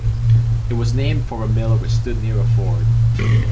It was named for a mill which stood near a ford.